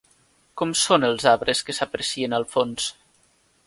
Com són els arbres que s'aprecien al fons?